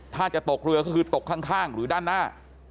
ถ้าจะตกเรือก็คือตกข้างหรือด้านหน้า